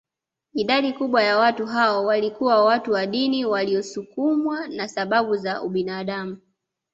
Idadi kubwa ya watu hao walikuwa watu wa dini waliosukumwa na sababu za ubinadamu